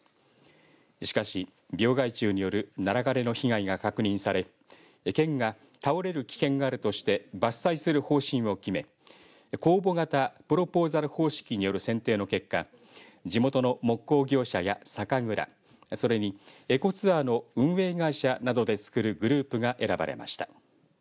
しかし病害虫によるナラ枯れの被害が確認され県が倒れる危険があるとして伐採する方針を決め公募型プロポーザル方式による選定の結果地元の木工業者や酒蔵それにエコツアーの運営会社などで作るグループが選ばれました。